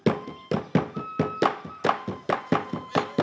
dan memindahkan kosong osir besar masuk ke bidang bizarnya